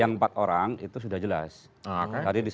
yang empat orang itu sudah jelas